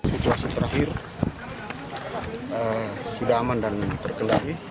situasi terakhir sudah aman dan terkendali